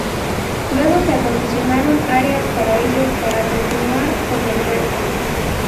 Luego se acondicionaron áreas para ellos para continuar con el resto.